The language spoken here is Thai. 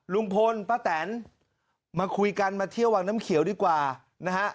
ลุงพลป้าแตนมาคุยกันมาเที่ยววังน้ำเขียวดีกว่านะฮะ